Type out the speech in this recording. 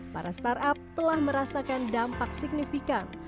para startup telah merasakan dampak signifikan